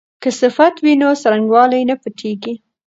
که صفت وي نو څرنګوالی نه پټیږي.